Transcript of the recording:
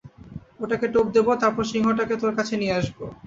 ওটাকে টোপ দেবো, তারপর সিংহটাকে তোর কাছে নিয়ে আসবো।